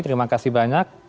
terima kasih banyak